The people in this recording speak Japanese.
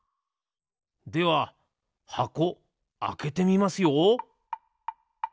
では箱あけてみますよ！